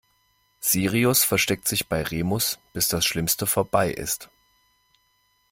Sirius versteckt sich bei Remus, bis das Schlimmste vorbei ist.